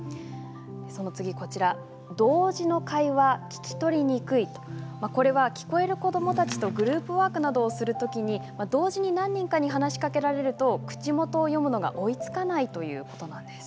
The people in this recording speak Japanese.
そして同時の会話が聞き取りにくい、これが聞こえる子どもたちとグループワークなどをするときに同時に何人かに話しかけられると口元を読むのが追いつかないということなんです。